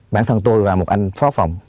bản thân tôi và một anh phó phòng